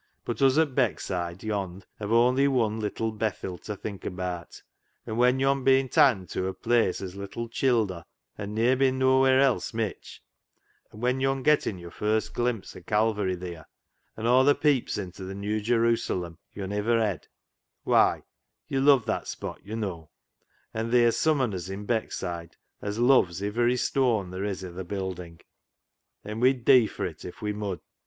But us at Beckside yond' hev' ony wun little Bethil ta think abaat, an' when yo'n been ta'n to a place as little childer, an' ne'er been noa wheer else mitch, an' when yo'n getten yo'r fost glimpse o' Calvary theer, an' aw th' peeps into th' New Jerusalem yo'n iver hed, why yo' luv' that spot, yo' know, an' theer's sum on us i' Beckside as luvs ivery stooan there is i' th' building, an' we'd dee for it if we mud" (must).